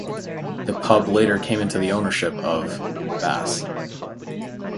The pub later came into the ownership of Bass.